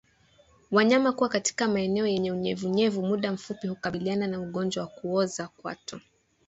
Wanyama kuwa katika maeneo yenye unyevunyevu muda mfupi hukabiliana na ugonjwa wa kuoza kwato